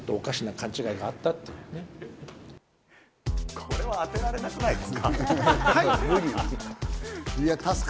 これは当てられなくないですか？